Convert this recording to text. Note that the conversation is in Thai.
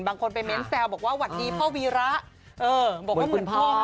บางคนไปเม้นเซลว์ว่าหวัดดีภาววีระเขาก็บอกว่าเหมือนพ่อ